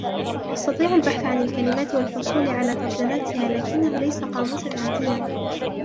تستطيع البحث عن الكلمات والحصول على ترجماتها. لكنه ليس قاموسًا عاديًّا.